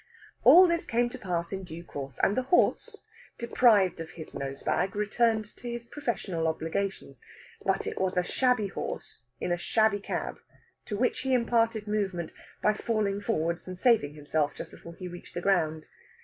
All this came to pass in due course, and the horse, deprived of his nosebag, returned to his professional obligations. But it was a shabby horse in a shabby cab, to which he imparted movement by falling forwards and saving himself just before he reached the ground.